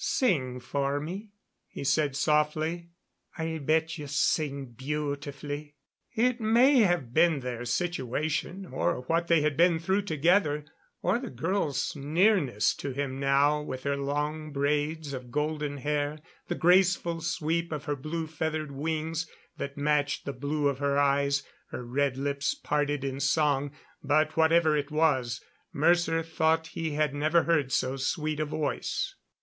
"Sing for me," he said softly. "I'll bet you sing beautifully." It may have been their situation, or what they had been through together, or the girl's nearness to him now with her long braids of golden hair, the graceful sweep of her blue feathered wings that matched the blue of her eyes, her red lips parted in song but whatever it was, Mercer thought he had never heard so sweet a voice.